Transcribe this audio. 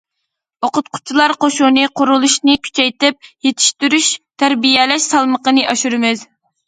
ئوقۇتقۇچىلار قوشۇنى قۇرۇلۇشىنى كۈچەيتىپ، يېتىشتۈرۈش، تەربىيەلەش سالمىقىنى ئاشۇرىمىز.